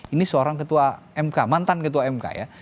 ini seorang ketua mk mantan ketua mk ya